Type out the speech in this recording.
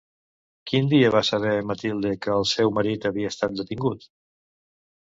Quin dia va saber Mathilde que el seu marit havia estat detingut?